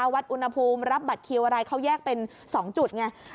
วัดอุณหภูมิรับบัตรคิวอะไรเขาแยกเป็น๒จุดไง